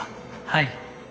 はい。